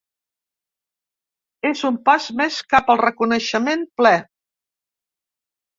És un pas més cap al reconeixement ple.